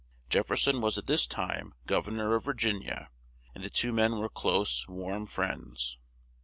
Jef fer son was at this time Gov ern or of Vir gin i a, and the two men were close, warm friends.